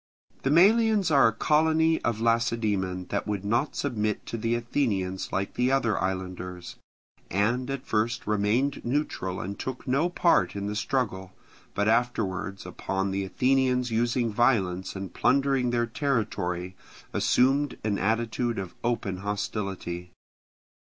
The Melians are a colony of Lacedaemon that would not submit to the Athenians like the other islanders, and at first remained neutral and took no part in the struggle, but afterwards upon the Athenians using violence and plundering their territory, assumed an attitude of open hostility.